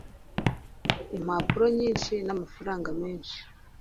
impapuro nyinshi namafaranga menshi